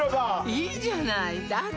いいじゃないだって